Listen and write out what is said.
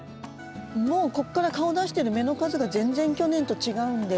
もうここから顔を出している芽の数が全然去年と違うので。